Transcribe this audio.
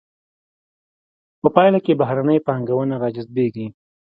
په پایله کې بهرنۍ پانګونه را جذبیږي.